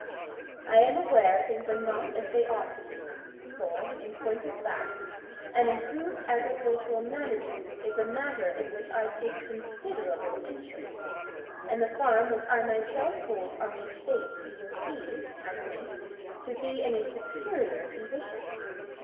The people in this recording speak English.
I am aware things are not as they ought to be, for, in point of fact, improved agricultural management is a matter in which I take considerable interest, and the farm which I myself hold on the estate you will see, I think, to be in a superior condition.